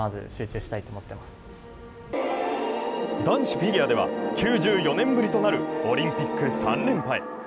男子フィギュアでは、９４年ぶりとなるオリンピック３連覇へ。